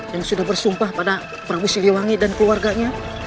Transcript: yang sudah bersumpah pada prabu siliwangi dan keluarganya